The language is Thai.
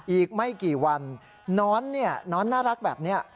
อีกไม่กี่วันหนอนน่ารักแบบนี้